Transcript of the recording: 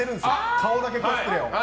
顔だけコスプレを。